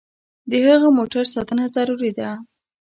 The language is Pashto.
د ښه موټر ساتنه ضروري ده.